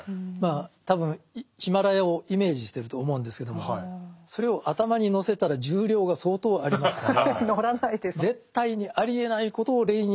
多分ヒマラヤをイメージしてると思うんですけどもそれを頭に載せたら重量が相当ありますから。